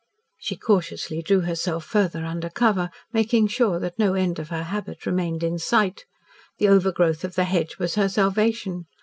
She cautiously drew herself further under cover, making sure that no end of her habit remained in sight. The overgrowth of the hedge was her salvation.